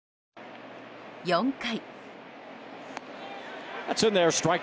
４回。